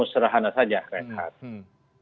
itu serahana saja renhard